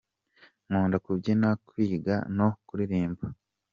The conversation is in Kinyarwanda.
Nkunda kubyina, kwiga no kuririmba.